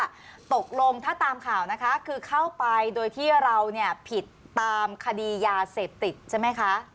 ตกลงถ้าตามข่าวนะคะคือเข้าไปโดยที่เราเนี่ยผิดตามคดียาเสพติดใช่ไหมคะ